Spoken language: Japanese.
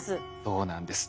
そうなんです。